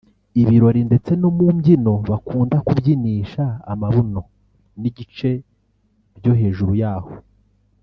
ibirori ndetse no mu mbyino bakunda kubyinisha amabuno n’igice byo hejuru yaho